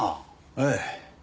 ええ。